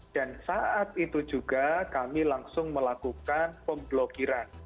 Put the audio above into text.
dan saat itu juga kami langsung melakukan pemblokiran